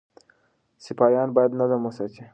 سپایان باید نظم وساتي.